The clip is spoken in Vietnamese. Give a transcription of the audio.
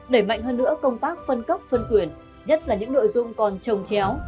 nảy mạnh hơn nữa công tác phân cấp phân quyển nhất là những nội dung còn trồng chéo